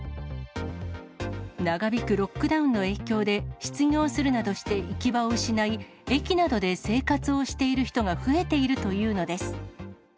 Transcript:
長引くロックダウンの影響で、失業するなどして行き場を失い、駅などで生活をしている人が増えているというのです。